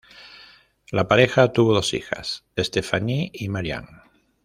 La pareja tuvo dos hijas, Stephanie y Marianne.